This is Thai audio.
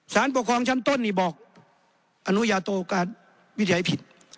สารปกครองชั้นต้นนี่บอกอนุญาโตการวิจัยผิด